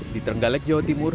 di trenggalek jawa timur